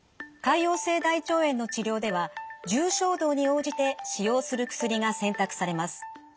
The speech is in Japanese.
潰瘍性大腸炎の治療では重症度に応じて使用する薬が選択されます。